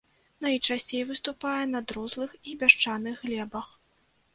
Найчасцей выступае на друзлых і пясчаных глебах.